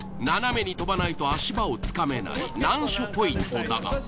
斜めに飛ばないと足場をつかめない難所ポイントだが。